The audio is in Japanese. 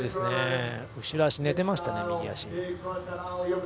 後ろ足寝てましたね、右足。